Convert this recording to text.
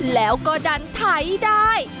แล้วก็ดันไถได้